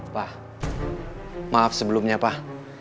pak maaf sebelumnya pak